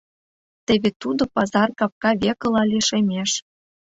Теве тудо пазар капка векыла лишемеш.